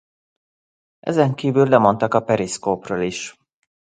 Ezen kívül lemondtak a periszkópról is.